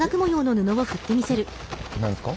何ですか？